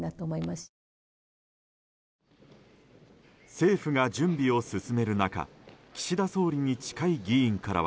政府が準備を進める中岸田総理に近い議員からは。